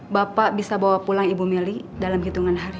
bapak bisa bawa pulang ibu meli dalam hitungan hari